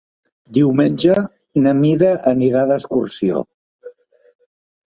Diumenge na Mira anirà d'excursió.